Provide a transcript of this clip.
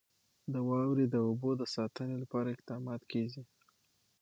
د واورو د اوبو د ساتنې لپاره اقدامات کېږي.